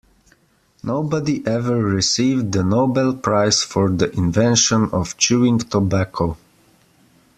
Nobody ever received the Nobel prize for the invention of chewing tobacco.